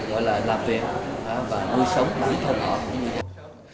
gọi là làm việc và nuôi sống bản thân họ